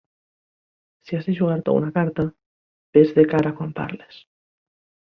Si has de jugar-t'ho a una carta, ves de cara quan parles.